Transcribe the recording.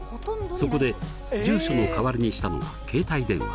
そこで住所の代わりにしたのが携帯電話。